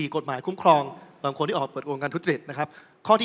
๔กฎหมายคุ้มครองบางคนที่ออกเปิดโปรงการทุจริต